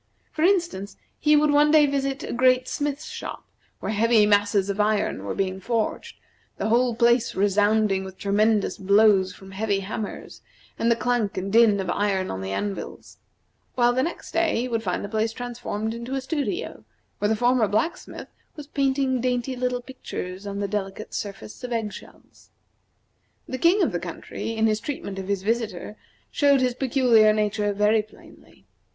For instance, he would one day visit a great smith's shop, where heavy masses of iron were being forged, the whole place resounding with tremendous blows from heavy hammers, and the clank and din of iron on the anvils; while the next day he would find the place transformed into a studio, where the former blacksmith was painting dainty little pictures on the delicate surface of egg shells. The king of the country, in his treatment of his visitor, showed his peculiar nature very plainly.